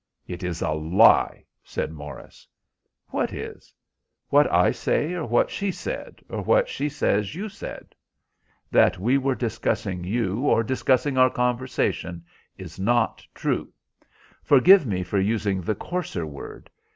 "It is a lie," said Morris. "What is? What I say, or what she said, or what she says you said?" "That we were discussing you, or discussing our conversation, is not true. Forgive me for using the coarser word.